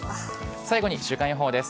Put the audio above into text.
最後に週間予報です。